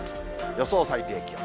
予想最低気温。